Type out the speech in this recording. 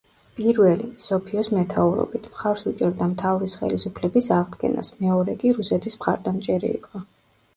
პირველი, სოფიოს მეთაურობით, მხარს უჭერდა მთავრის ხელისუფლების აღდგენას, მეორე კი რუსეთის მხარდამჭერი იყო.